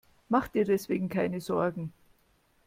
Mach dir deswegen keine Sorgen.